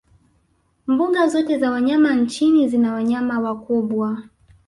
mbuga zote za wanyama nchini zina wanayama wakubwa